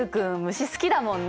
虫好きだもんね。